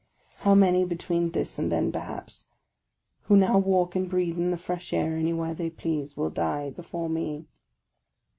How many, between this and then, perhaps, who now walk and breathe in the fresh air any where they please, will die before me!